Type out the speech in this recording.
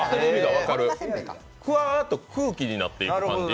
ふわっと空気になっていく感じ。